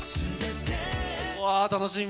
わ楽しみ！